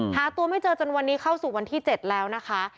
หาตัวไม่เจอจนวันนี้เข้าสู่วันที่๗แล้วนะคะ